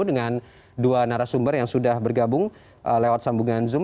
dengan dua narasumber yang sudah bergabung lewat sambungan zoom